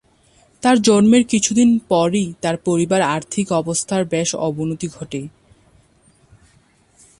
তার জন্মের কিছুদিন পরেই তার পরিবারের আর্থিক অবস্থার বেশ অবনতি ঘটে।